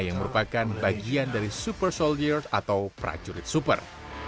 yang merupakan bagian dari super soldier atau prajurit super